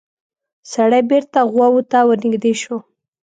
سړی بېرته غواوو ته ورنږدې شو.